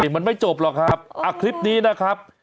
มันไม่จบหรอกครับคลิปนี้นะครับ